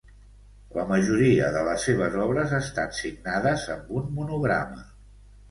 La majoria de les seves obres estan signades amb un monograma.